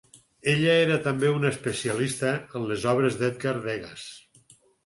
Ella era també una especialista en les obres d'Edgar Degas.